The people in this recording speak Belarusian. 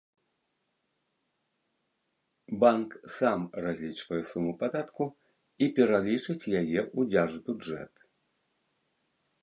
Банк сам разлічвае суму падатку і пералічыць яе ў дзяржбюджэт.